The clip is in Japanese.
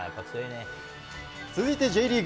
続いてＪリーグ。